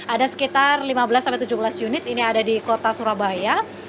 ada sekitar lima belas tujuh belas unit ini ada di kota surabaya